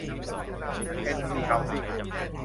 เอ็น ซี เฮ้าส์ซิ่ง